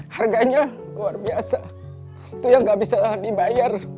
harganya luar biasa itu yang gak bisa dibayar